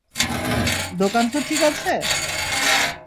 দোকান তো ঠিক আছে?